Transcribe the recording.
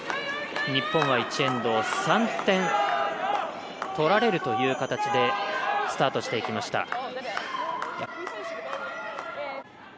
日本は１エンド３点取られるという形でスタートしていきました。